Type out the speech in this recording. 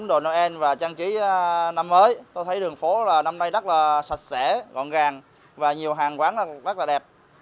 đồ noel và trang trí năm mới tôi thấy đường phố là năm nay rất là sạch sẽ gọn gàng và nhiều hàng quán rất là đẹp